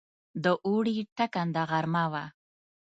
د اوړي ټکنده غرمه وه.